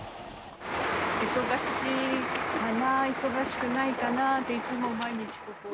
忙しいかなー、忙しくないかなーって、いつも毎日ここを。